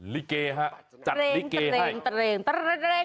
ลิเกฮะจัดลิเกให้